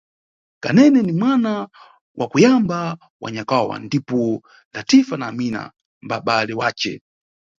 Kanene ni mwana wa kuyamba wa nyakwawa ndipo Latifa na Amina mbabale wace.